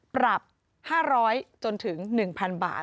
ปรับ๕๐๐จนถึง๑๐๐๐บาท